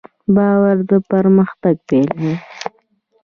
باور د پرمختګ پیل دی.